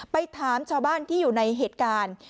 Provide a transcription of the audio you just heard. ไปถามชาวบ้านที่อยู่ในเหตุการณ์